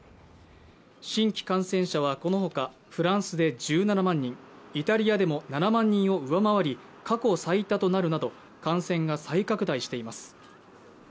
新規感染者はこのほかフランスで１７万人、イタリアでも７万人を上回り過去最多となるなど感染が再拡大しています。